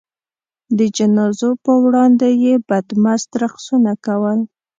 د جنازو په وړاندې یې بدمست رقصونه وکړل.